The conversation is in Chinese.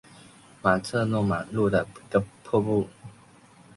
马特诺玛瀑布的一个瀑布。